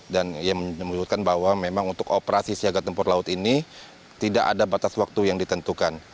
dan ia menyebutkan bahwa memang untuk operasi siaga tempur laut ini tidak ada batas waktu yang ditentukan